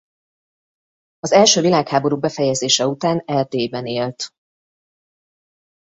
Az első világháború befejezése után Erdélyben élt.